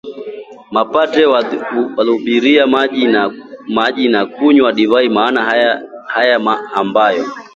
mapadre waliohubiri maji na kunywa divai maana haya ambayo